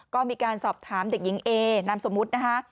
ก็มีการสอบถามเด็กหญิงเอนามสมมุตินะคะ